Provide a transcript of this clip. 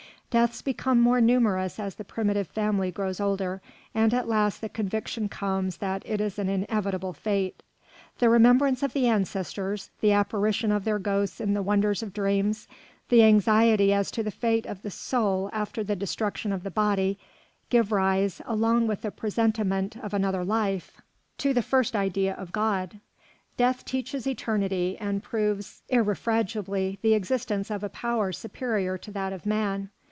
Deaths become more numerous as the primitive family grows older, and at last the conviction comes that it is an inevitable fate. The remembrance of the ancestors, the apparition of their ghosts in the wonders of dreams, the anxiety as to the fate of the soul after the destruction of the body, give rise, along with the presentiment of another life, to the first idea of God. Death teaches eternity and proves irrefragably the existence of a power superior to that of man.